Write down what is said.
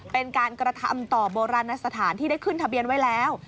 เป็นการกระทำต่อโบราณสถานที่ได้ขึ้นทะเบียนไว้แล้ว